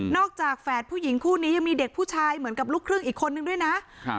จากแฝดผู้หญิงคู่นี้ยังมีเด็กผู้ชายเหมือนกับลูกครึ่งอีกคนนึงด้วยนะครับ